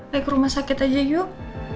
baik rumah sakit aja yuk